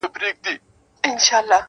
ما چي میوند- میوند نارې وهلې-